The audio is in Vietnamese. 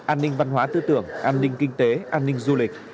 an ninh văn hóa tư tưởng an ninh kinh tế an ninh du lịch